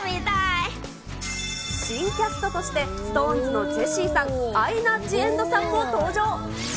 新キャストとして、ＳｉｘＴＯＮＥＳのジェシーさん、アイナ・ジ・エンドさんも登場。